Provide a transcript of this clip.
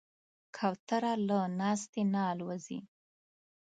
کوتره له ناستې نه الوزي.